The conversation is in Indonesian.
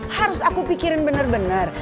harus aku pikirin bener bener